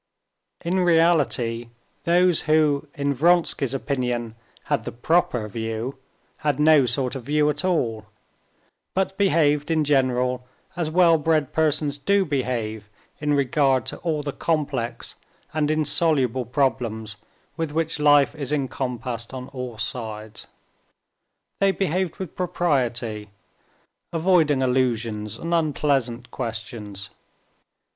In reality, those who in Vronsky's opinion had the "proper" view had no sort of view at all, but behaved in general as well bred persons do behave in regard to all the complex and insoluble problems with which life is encompassed on all sides; they behaved with propriety, avoiding allusions and unpleasant questions.